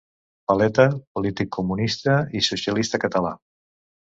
Paleta, polític comunista i socialista català.